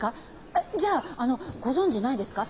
えっじゃああのご存じないですか？